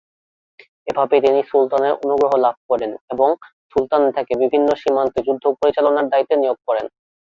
এভাবে তিনি সুলতানের অনুগ্রহ লাভ করেন এবং সুলতান তাকে বিভিন্ন সীমান্তে যুদ্ধ পরিচালনার দায়িত্বে নিয়োগ করেন।